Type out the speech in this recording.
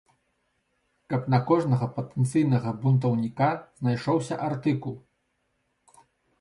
Каб на кожнага патэнцыйнага бунтаўніка знайшоўся артыкул.